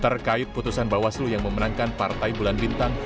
terkait putusan bawaslu yang memenangkan partai bulan bintang